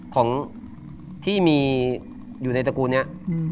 ของที่มีอยู่ในตระกูลนี้